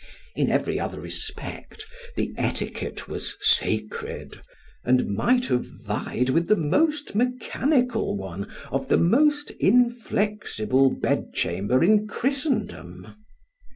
In every other respect, the etiquette was sacred, and might have vied with the most mechanical one of the most inflexible bed chamber in _Christendom.